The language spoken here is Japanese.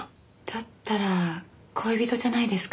だったら恋人じゃないですか？